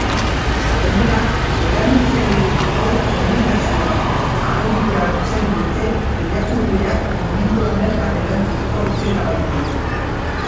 Gainera, erabiltzailearekiko komunikazioa ahalbidetzen dute, irakurleak momentuan bertan erantzuteko aukera baitu.